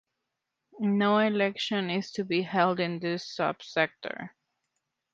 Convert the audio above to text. No election is to be held in this Subsector.